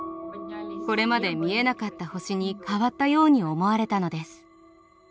これまで見えなかった星に変わったように思われたのです。